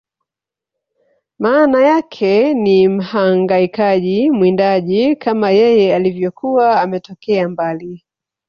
Maana yake ni Mhangaikaji Mwindaji kama yeye alivyokuwa ametokea mbali